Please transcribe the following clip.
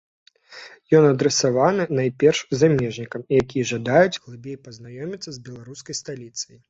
Ён адрасаваны, найперш, замежнікам, якія жадаюць глыбей пазнаёміцца з беларускай сталіцай.